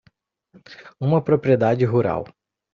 Uma propriedade rural.